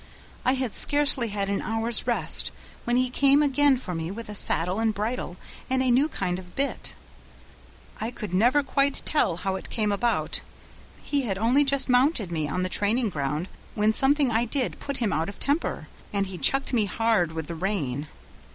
I had scarcely had an hour's rest, when he came again for me with a saddle and bridle and a new kind of bit. I could never quite tell how it came about; he had only just mounted me on the training ground, when something I did put him out of temper, and he chucked me hard with the rein.